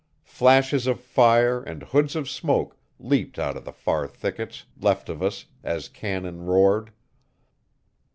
Flashes of fire and hoods of smoke leaped out of the far thickets, left of us, as cannon roared.